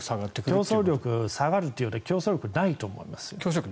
競争力が下がるというか競争力がないと思います。